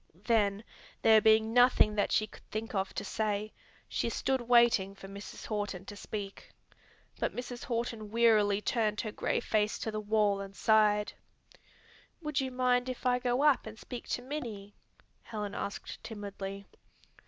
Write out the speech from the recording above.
Then there being nothing that she could think of to say, she stood waiting for Mrs. Horton to speak. But Mrs. Horton wearily turned her gray face to the wall and sighed. "Would you mind if I go up and speak to Minnie?" Helen asked timidly.